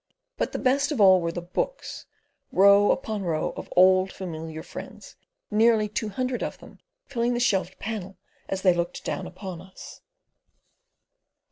But best of all were the books row upon row of old familiar friends; nearly two hundred of them filling the shelved panel as they looked down upon us.